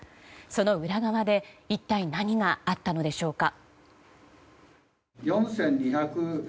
その裏側で一体何があったのでしょうか。